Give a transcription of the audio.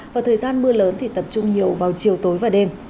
và thời gian mưa lớn thì tập trung nhiều vào chiều tối và đêm